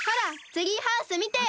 ツリーハウスみてよ！